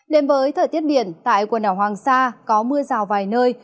đến với thời tiết biển tại quần đảo hoàng sa có mưa rào vài nơi